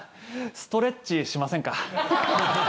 ストレッチしませんか？